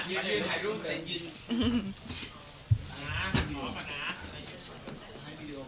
เหมือนไทปุก